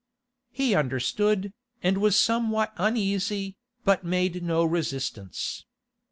He understood, and was somewhat uneasy, but made no resistance.